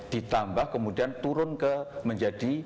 ditambah kemudian turun ke menjadi